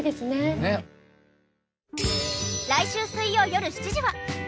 来週水曜よる７時は。